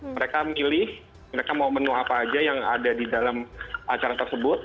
mereka milih mereka mau menu apa aja yang ada di dalam acara tersebut